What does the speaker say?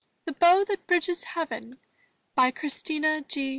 THE BOW THAT BRIDGES HEAVEN* Christina G.